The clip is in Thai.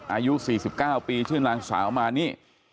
อายุ๔๙ปีชื่อนางสาวมานี่